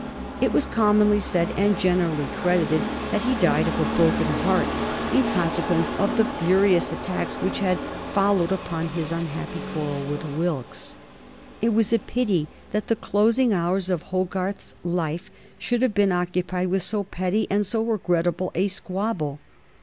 It was commonly said, and generally credited, that he died of a broken heart in consequence of the furious attacks which had followed upon his unhappy quarrel with Wilkes. It was a pity that the closing hours of Hogarth's life should have been occupied with so petty and so regrettable a squabble.